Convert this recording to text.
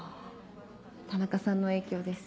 田中さんの影響です。